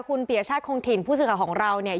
คุณปียชาติคงถิ่นผู้สื่อข่าวของเราเนี่ย